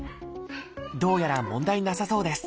どうやら問題なさそうです